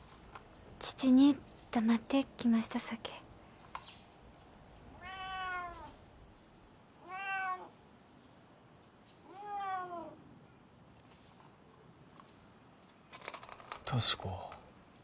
父に黙って来ましたさけ俊子